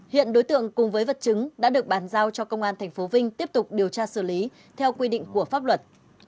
hiện đối tượng cùng với vật chứng đã được bàn giao cho công an tp vinh tiếp tục điều tra xử lý theo quy định của pháp luật